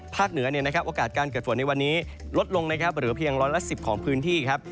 เหนือโอกาสการเกิดฝนในวันนี้ลดลงนะครับเหลือเพียงร้อยละ๑๐ของพื้นที่ครับ